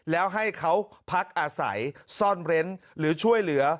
แล้วให้เขาพักอาศัยซ่อนเร้นหรือช่วยเหลือ